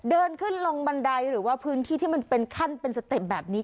เดินขึ้นลงบันไดหรือว่าพื้นที่ที่มันเป็นขั้นเป็นสเต็ปแบบนี้